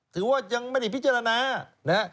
ถือว่ายังไม่ได้พิจารณานะฮะ